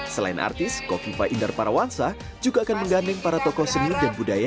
selain artis kofifa indar parawansa juga akan menggandeng para tokoh seni dan budaya